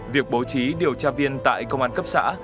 việc bố trí điều tra viên tại công an cấp xã